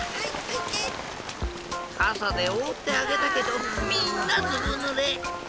かさでおおってあげたけどみんなずぶぬれ。